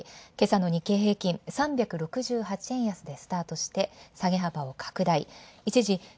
今朝の日経平均、３６８円安でスタートして、下げ幅拡大。